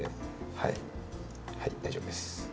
はい大丈夫です。